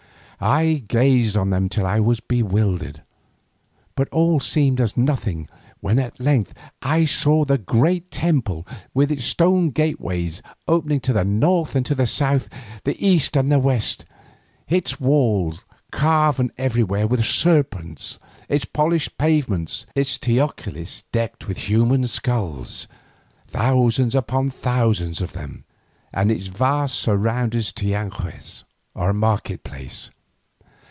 I gazed on them till I was bewildered, but all seemed as nothing when at length I saw the great temple with its stone gateways opening to the north and the south, the east and the west, its wall carven everywhere with serpents, its polished pavements, its teocallis decked with human skulls, thousands upon thousands of them, and its vast surrounding tianquez, or market place.